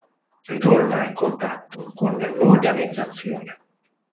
Ritorna in contatto con l'organizzazione.